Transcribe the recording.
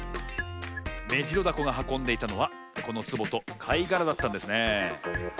メジロダコがはこんでいたのはこのつぼとかいがらだったんですねえ。